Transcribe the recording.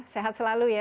sehat selalu ya